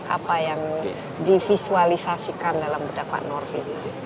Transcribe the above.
apa yang divisualisasikan dalam bedak pak norvi